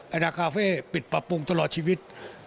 นาคาเฟ่ปิดปรับปรุงตลอดชีวิต